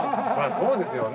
そうですよね。